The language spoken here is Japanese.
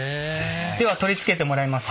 では取り付けてもらいます。